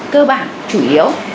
cơ bản chủ yếu